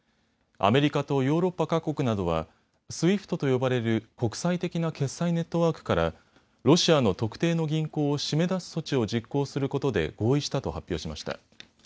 アメリカとヨーロッパ各国などはＳＷＩＦＴと呼ばれる国際的な決済ネットワークからロシアの特定の銀行を締め出す措置を実行することで合意したと発表しました。